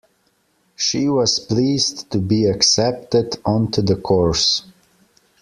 She was pleased to be accepted onto the course